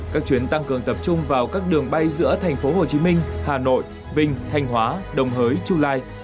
các chuyến tăng cường tập trung vào các đường bay giữa thành phố hồ chí minh hà nội bình thanh hóa đồng hới chu lai